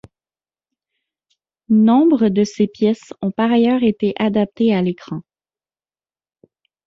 Nombre de ses pièces ont par ailleurs été adaptées à l'écran.